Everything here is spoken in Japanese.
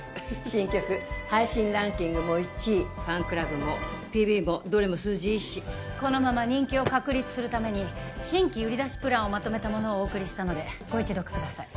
新曲配信ランキングも１位ファンクラブもＰＶもどれも数字いいしこのまま人気を確立するために新規売り出しプランをまとめたものをお送りしたのでご一読ください